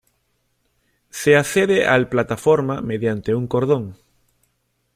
Se accede al plataforma mediante un cordón.